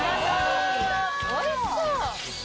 おいしそう！